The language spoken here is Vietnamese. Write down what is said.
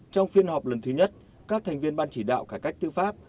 trong phiên họp lần thứ nhất các thành viên ban chỉ đạo cải cách tư pháp